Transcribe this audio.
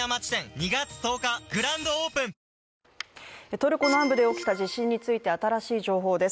トルコ南部で起きた地震について新しい情報です。